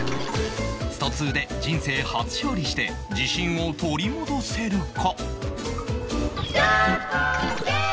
『スト Ⅱ』で人生初勝利して自信を取り戻せるか？